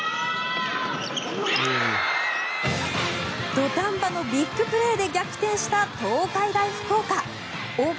土壇場のビッグプレーで逆転した東海大福岡。